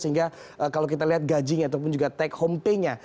sehingga kalau kita lihat gajinya ataupun juga take home pay nya